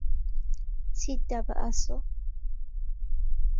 چیت دا بە ئاسۆ؟